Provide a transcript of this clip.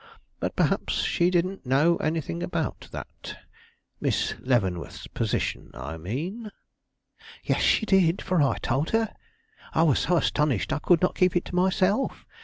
But perhaps she didn't know anything about that Miss Leavenworth's position, I mean?" "Yes, she did, for I told her. I was so astonished I could not keep it to myself.